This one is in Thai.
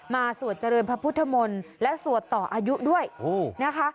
สวดเจริญพระพุทธมนต์และสวดต่ออายุด้วยนะคะ